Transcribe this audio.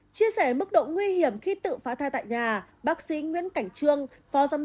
chia sẻ mức độ nguy hiểm khi tự phá thai tại nhà